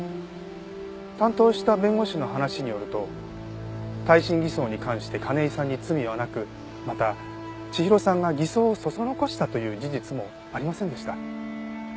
担当した弁護士の話によると耐震偽装に関して金井さんに罪はなくまた千尋さんが偽装をそそのかしたという事実もありませんでした。